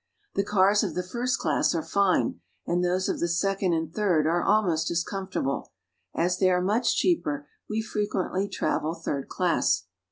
The cars of the first class are fine, and those of the second and third are almost as comfortable ; as they are much cheaper, we fre quently travel third class.